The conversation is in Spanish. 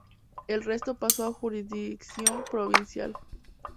El resto pasó a jurisdicción provincial.